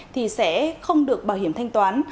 thì sẽ không được bảo hiểm thanh toán